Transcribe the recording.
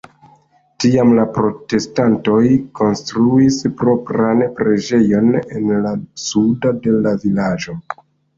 Tiam la protestantoj konstruis propran preĝejon en la sudo de la vilaĝo.